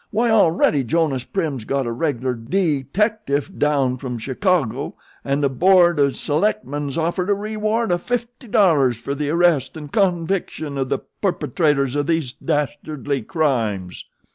Why already Jonas Prim's got a regular dee dectiff down from Chicago, an' the board o' select men's offered a re ward o' fifty dollars fer the arrest an' conviction of the perpetrators of these dastardly crimes!"